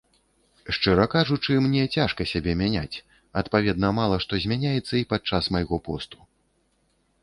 Шчыра кажучы, мне цяжка сябе мяняць, адпаведна, мала што змяняецца і падчас майго посту.